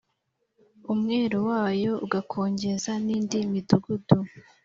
umwero wayo Ugakongeza nindi midugudu